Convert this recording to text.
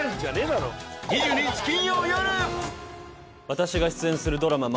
私が出演するドラマ